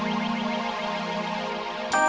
ibu benar banget sih